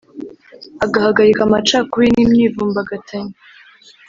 agahagarika amacakubiri n’imyivumbagatanyo